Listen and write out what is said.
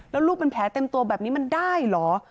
แล้วลูกเป็นแผลเต็มตัวแบบนี้มันได้เหรอ